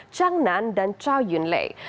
changnan dan chow yun li